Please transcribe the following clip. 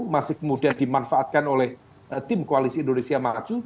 masih kemudian dimanfaatkan oleh tim koalisi indonesia maju